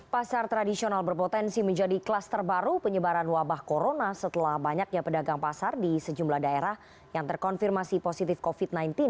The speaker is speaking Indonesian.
pasar tradisional berpotensi menjadi kelas terbaru penyebaran wabah corona setelah banyaknya pedagang pasar di sejumlah daerah yang terkonfirmasi positif covid sembilan belas